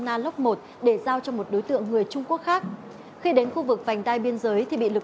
nalock một để giao cho một đối tượng người trung quốc khác khi đến khu vực vành đai biên giới thì bị lực